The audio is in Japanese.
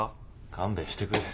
勘弁してくれ。